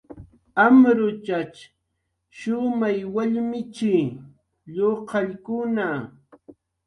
Amruchatx shumay wallmichi, lluqallkuna